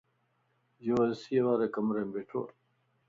يو اي سي واري ڪمريم ٻيھڻووَ